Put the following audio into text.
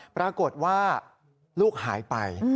ปรากฏว่าลูกหายไป